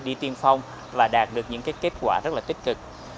đi tiên phong và đạt được những kết quả rất là tích cực